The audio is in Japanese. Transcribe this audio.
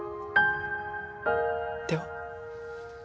では。